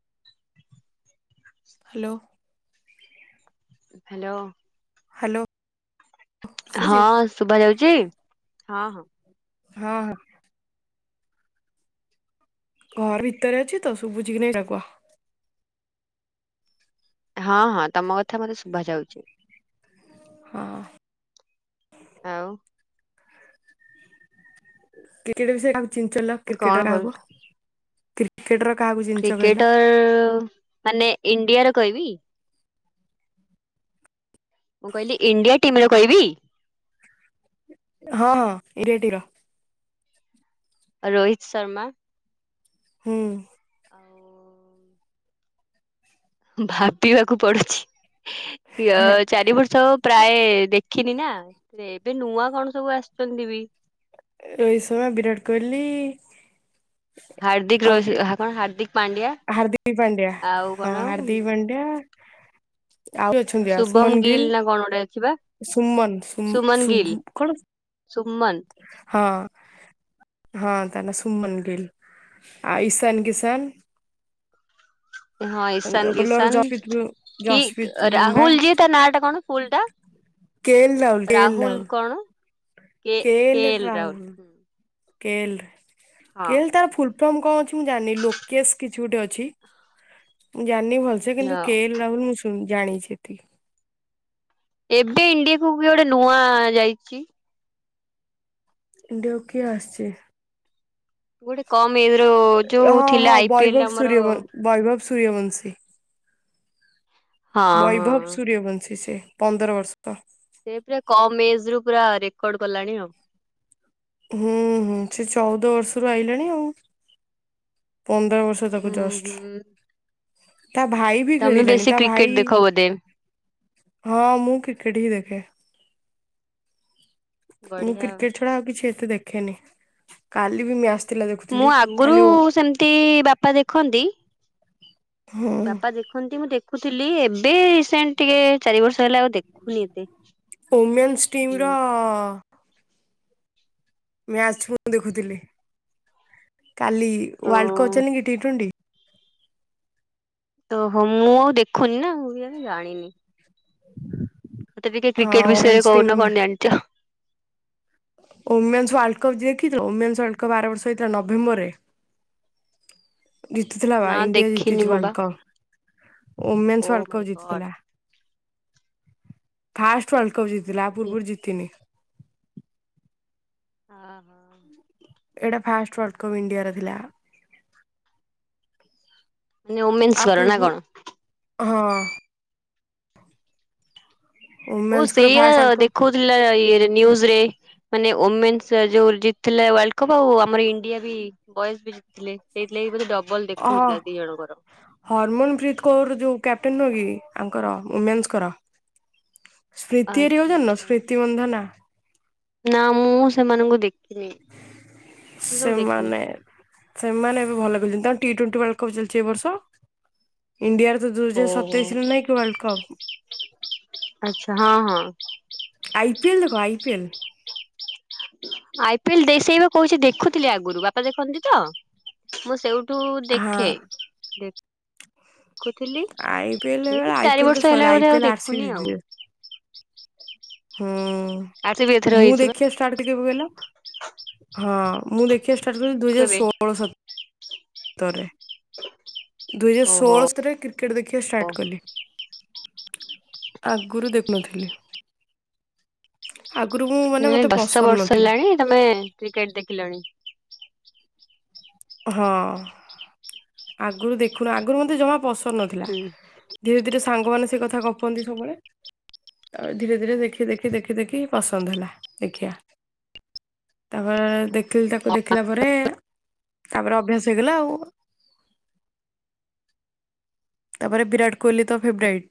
[inaudible] Hello. Hello. Hello. ହଁ ଶୁଭା ଯାଉଚି ହଁ ହଁ। ହଁ ହଁ। ଘର ଭିତରେ ଅଛିତ ଶୁବୁଚିକି ନାଇଁ କୁଅ। ହଁ ହଁ ତମ କଥା ମତେ ଶୁଭା ଯାଉଚି। ହଁ। ଆଉ? କ୍ରିକେଟ୍ ବିଷୟରେ କାହାକୁ ଚିଞ୍ଚଲଲୋ କଣ କ୍ରିକେଟର କରୁଛ? କାହାକୁ କ୍ରିକେଟର କାହାକୁ ଚି କ୍ରିକେଟର ମାନେ ଇଣ୍ଡିଆର କହିବି? ମୁଁ କହିଲି ଇଣ୍ଡିଆ ଟିମର କହିବି? ହଁ ଇରେଟିର। ରୋହିତ ଶର୍ମା ହୁଁ। ଆଉ ଭାବିବାକୁ ପଡ଼ୁଛି ଇୟ ଚାରି ବର୍ଷ ପ୍ରାୟ ଦେଖିନିନା ଏବେ ନୂଆ କଣ ସବୁ ଆସିଚନ୍ତିବି ରୋହିତ ଶର୍ମା ବିରାଟ କୋହଲି ହାର୍ଦ୍ଦିକ ରୋଷ କଣ ହାର୍ଦ୍ଦିକ ପାଡି୍ଆ ହାରଦ୍ଦ ପାଣ୍ଡ୍ୟା ହଁ ହାରଦୀ ପାଣ୍ଡ୍ୟା ଆଉ ଅଛନ୍ତି ଆ ଶୁଭମ ସୁମନ ଗିଲ୍ ନା କଣ ଗୋଟେ ଅଛି ବା ସୁମନ ସୁ ଶୁଭୁ କଣ ସୁମନ୍। ହଁ। ହଁ ତାନା ସୁମନ୍ ଗିଲ୍ ଆ ଇଶାନ କିସାନ। [inaudible] ହଁ ଇଶାନ ବୋଲର କିଶାନ ଜସପ୍ରୀତ ବୁମ୍- କି ଜସପ୍ରୀତ ବୁମରା ରାହୁଲ୍ ଯିଏ ତା ନାଁଟା କଣ ଫୁଲଟା? କେ ଏଲ ରାହୁଲ୍ କଣ? K K K L L Rahul Rahul K L ହଁ କେଲ୍ ତାର ଫୁଲ୍ ପ୍ରଥମ କଣ ଅଛି ମୁଁ ଜାଣିନି ଲୋକେଶ୍ କିଛି ଗୋଟେ ଅଛି ମୁଁ ଜାଣିନି ଭଲସେ କିନ୍ତୁ ହଁ କେ [unintelligible] ମୁଁ ଶୁଣି ଜାଣିଛି ଏତିକି। ଏବେ ଇଣ୍ଡିଆକୁୁବି ଗୋଟେ ନୂଆ ଯାଇଚି ଇଣ୍ଡିଆକୁ କିଏ ଆସିଚି? ଗୋଟେ କମ ଏଜ ର ଯୋଉ ହଁ ଥିଲା ହଁ ଆଇ ପି ଏଲ ବୈଭବ ଆମର ସୂର୍ଯ୍ୟବ ହଁ ବୈଭବ ସ ସୂର୍ଯ୍ୟବଂଶୀ ହଁ ବୈଭବ ସୂର୍ଯ୍ୟବଂଶୀସେ ପନ୍ଦର ବର୍ଷତ। ସେ ପୁରା କମ୍ ଏଜରୁ ପୁରା ରେକର୍ଡ କଲାଣି ଆଉ। ହୁଁ ହୁଁ ସେଚଉଦ ବର୍ଷରୁ ଆଇଲାଣି ଆଉ। ପନ୍ଦର ବର୍ଷ ତାକୁ ଉଁ ଜଷ୍ଟ। ହୁଁ ତା ଭାଇବି ତମେ ଖେଳିଲାଣି ବେଶୀ କ୍ରିକେଟ ତାଭାଇ ଦେଖ ବୋଧେ ହଁ ମୁଁ କ୍ରିକେଟ୍ ହିଁ ଦେଖେ। ମୁଁ ବଢିଆ କ୍ରିକେଟ୍ ଛଡ଼ା ଆଉ କିଛି ଏତେ ଦେଖେନି କାଲିବି ମ୍ୟା ମୁଁ ଆଗରୁ ସେମିତି ବାପା ଦେଖନ୍ତି ହୁଁ ବାପା ଦେଖନ୍ତି ମୁଁ ଦେ ଦେଖୁଥିଲି ଏବେ ରିସେଣ୍ଟ ଟିକେ ଚାରି ବର୍ଷ ହେଲା ଆଉ ଦେଖୁନି ଏତେ। ଉମେନ୍ସ ଟିମ୍ର ମ୍ୟାଚ୍ ମୁଦେଖୁଥିଲି କାଲି ୱାର୍ଲଡ ତ କପ୍ ଅ କିଟଣ୍ଟି। ତହୋ ମୁଁ ଆଉ ଦେଖୁନିନା ମୁଁ ବି ଆଉ ଜାଣିନି। [inaudible] ମତେ ଟିକେ ହଁ କ୍ରିକେଟ୍ ବିଷୟରେ ଓମେନ୍ସ ଟିମ୍ ର କହୁନ ମ୍ୟା କଣ ଜାଣିଚ? ଓମେନ୍ସ ୱାର୍୍କପ୍ ଦେଖିଥିଲ ଓମେନ୍ସ ୱା୍ପ ଆର ବର୍ଷ ହେଇଥିଲା ନଭେମ୍ବରରେ? ଜିତିଥିଲାବା ନା ଇଣ୍ଡିଆ ଦେଖିନି ଜିତିଚି ମୁଁ ବା ୱାର୍ଡ କପ୍ ଓ women world my cup god ଜିତିଥିଲା। ଫାଷ୍ଟ ୱାର୍ଲଡ କପ୍ ଜିତିଥିଲା ଆପୂର୍ବରୁ ଜିତିନି। ହଁ ହଁ। ଏଇଟା ଫାଷ୍ଟ ୱାର୍ଲଡ କପ୍ ଇଣ୍ଡିଆର ଥିଲା। ମାନେ ଆ ଓମେନ୍ସଙ୍କର ନା ପୂର୍ବରୁ କଣ? ହଁ। ଓ ଓମେନ୍ସଙ୍କର ସେଇଆ ଫାଷ୍ଟ ୱାର୍ଲଡ କପ୍ ଦେଖଉଥିଲା ଇଏରେ ନିୁଜରେ। ମାନେ ଓମେନ୍ ଯୋଉ ଜିତିଥିଲା ୱାର୍ କପ୍ ଆଉ ଆମର ଇଣ୍ଡିଆବି ବଏସ୍ ବି ଥିଲେ ସେଇଥିଲାଗି ବୋଧେ ଡବଲ ଦେଖଉଥିଲା ଦି ଜଣଙ୍କର। ହରମନପତ କୌର ଯୋଉ କ୍ୟାପ୍ଟେନରକି ଆଙ୍କର ମେନ୍ସଙ୍କର? ସ୍ମୃତି ଆଚ୍ଛା ଏରିକୁ ଜାଣିନ ଆଚ୍ଛା ସ୍ମୃତି ବନ୍ଧନା? ନା ମୁଁ ସେମାନଙ୍କୁ ଦେଖିନି ସେତାକୁ ଦେଖିନି। ସେମାନେ ସେମାନେ ଏବେ ଭଲ ଖେଳିଚନ୍ତି ତାଙ୍କ ଟିଟ୍ୱେଣ୍ଟି ୱାର୍ଲଡ କପ୍ ଚାଲିଚି ଏବର୍ଷ। ଇଣ୍ଡିଆରତ ଦୁଇ ହଜାରେ ଓହୋ ସତେଇଶିରେ ନାହିଁକି ୱାର୍ଲଡ କପ୍। ଆଚ୍ଛା ହଁ-ହଁ। ଆଇ ପିଏଲ୍ ଦେଖ ଆଇ ପିଏଲ୍। ଆଇ ପିଏଲ୍ ଦେଇଶେଇବା କହୁଚି ଦେଖୁଥିଲି ଆଗରୁ, ବାପା ଦେଖନ୍ତିତ ମୁଁ ସେଉ ତୁ ହଁ ଦେଖେ, ଦେ ଦେଖୁଥିଲି, ଆଇ ପି ଏଲ ବେଳେ ଏଇ ଆଇ ପି ଚାରି ଏଲ ତ ବର୍ଷ ସଇଲା ଆଇ ହେଲାପରେ ପି ଆଉ ଏଲ ଆର ସି ବି ଦେଖୁନି ଆଉ। ଜିତିବେ। ହୁଁ ଆର ସି ବି ଏଥର ମୁଁ ହେଇଛି ବା ଦେଖିବା ଷ୍ଟାର୍ଟ କଲି କେବେ କହିଲ ହଁ ମୁଁ ଦେଖ ଦେଖିବା ଷ୍ଟାର୍ଟକଲି ଦୁଇ ହଜାରେ କେବେ ଷୋହଳ ସତ୍ ତରେ ଦୁଇ ହଜାରେ ଓହୋ। ଷୋହଳରେ କ୍ରିକେଟ୍ ଦେଖିବା ଷ୍ଟାର୍ଟ କଲି। ଆଗରୁ ଦେଖୁନଥିଲି। ଆଗରୁ, ମୁଁ ମାନେ ମତେ ଦଶ ପସନ୍ଦ ବର୍ଷ ନଥିଲା। ହେଲାଣି ତମେ କ୍ରିକେଟ୍ ଦେଖିଲଣି। ହଁ ଆଗରୁ ଦେଖୁନୁ, ଆଗରୁ ମତେ ଜମା ପସନ୍ଦ ନଥିଲା। ହୁଁ। ଧୀରେ-ଧୀରେ ସାଙ୍ଗ ମାନେ ସେକଥା ଗପନ୍ତି ସବୁବେଳେ ତାପରେ ଧୀରେ-ଧୀରେ ଦେଖି-ଦେଖି, ଦେଖି-ଦେଖି ପସନ୍ଦ ହେଲା ଦେଖିବା। ତାପରେ ଦେଖିଲି, ତାକୁ ଦେଖିଲା ପରେ ତାପରେ ଅଭ୍ୟାସ ହେଇଗଲା ଆଉ। ତାପରେ ବିରାଟ କୋହଲିତ ଫେବରାଇଟ୍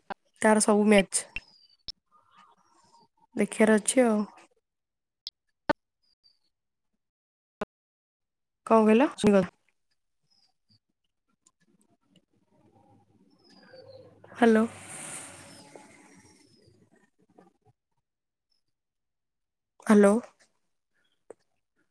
ତାର ସବୁ ମ୍ୟାଚ୍ ଦେଖିବାର ଅଛି ଆଉ। କଁ କହିଲ [unintelligible] ହାଲୋ। ହାଲୋ।